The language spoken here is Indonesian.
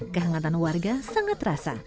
kehangatan warga sangat terasa